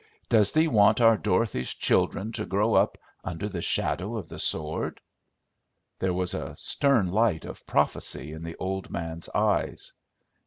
Does thee want our Dorothy's children to grow up under the shadow of the sword?" There was a stern light of prophecy in the old man's eyes.